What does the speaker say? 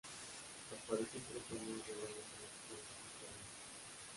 Apareció en tres torneos de Grand Slam durante su carrera.